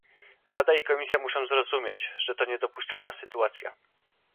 Rada i Komisja muszą zrozumieć, że to niedopuszczalna sytuacja